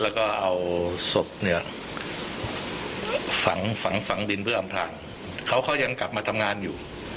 แล้วก็เอาศพเนี่ยฝังฝังดินเพื่ออำพลางเขาเขายังกลับมาทำงานอยู่